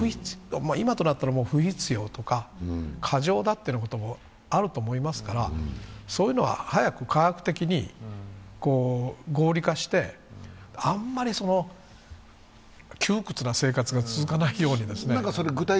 今となったら不必要とか過剰だということもあると思いますから、そういうのは早く科学的に合理化して、あんまり窮屈な生活が続かないようにですね。